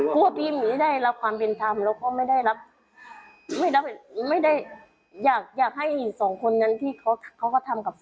กลัวพี่ไม่ได้รับความเป็นพรรค